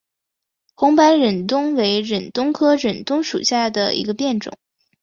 红白忍冬为忍冬科忍冬属下的一个变种。